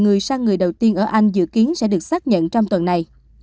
người sang người đầu tiên ở anh dự kiến sẽ được xác nhận trong tuần này